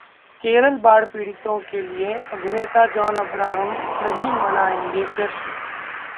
केरल बाढ़ पीड़ितों के लिए अभिनेता जॉन अब्राहम नहीं मनाएंगे जश्न